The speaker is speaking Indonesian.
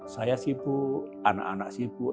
saya sibuk anak anak sibuk